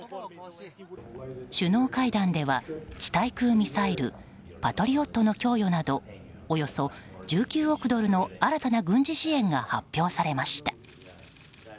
首脳会談では地対空ミサイルパトリオットの供与などおよそ１９億ドルの新たな軍事支援が発表されました。